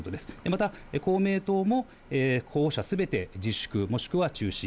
また、公明党も候補者すべて自粛、もしくは中止。